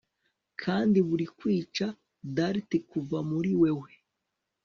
kandi buri kwica dart kuva muri wewe